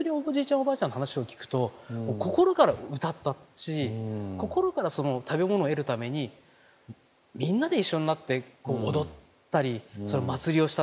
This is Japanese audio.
おばあちゃんの話を聞くと心から歌ったし心から食べ物を得るためにみんなで一緒になって踊ったり祭りをしたっていう。